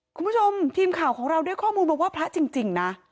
คุณผู้ชมทีมข่าวของเราได้ข้อมูลมาว่าพระจริงนะ